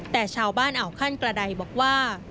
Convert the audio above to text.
แต่ชาวบ้านอ่าวขั้นกระดายบอกว่า